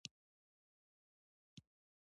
په دې شاخصو کې کُليات بیان شوي دي.